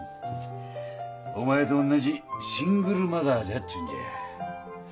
お前と同じシングルマザーじゃっちゅうんじゃ。